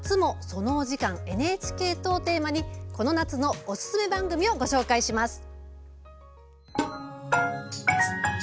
そのお時間、ＮＨＫと。」をテーマに、この夏のおすすめ番組をご紹介します。